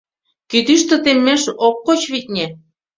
Кӱтӱштӧ теммеш ок коч, витне.